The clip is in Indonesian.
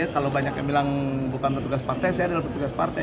kalau banyak yang bilang bukan petugas partai saya adalah petugas partai